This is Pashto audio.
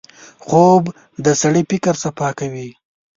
خوب د سړي فکر صفا کوي